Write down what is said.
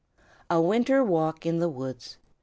A winter walk in the woods!